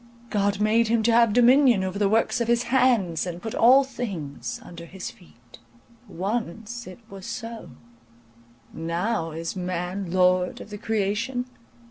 God made him to have dominion over the works of his hands, and put all things under his feet." Once it was so; now is man lord of the creation?